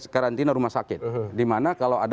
karantina rumah sakit di mana kalau ada